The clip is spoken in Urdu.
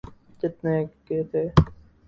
جتنے کے تھے۔